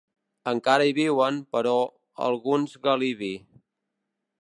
Encara hi viuen, però, alguns galibi.